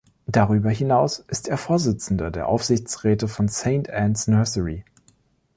Darüber hinaus ist er Vorsitzender der Aufsichtsräte von Saint Anne's Nursery.